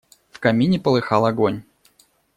В камине полыхал огонь.